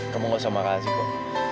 kamu gak usah marah sih kok